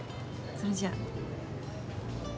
それじゃ。